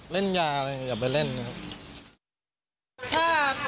เล่นยาอยากไปเล่นนี่ครับ